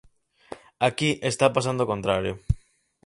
Aquí está pasando o contrario.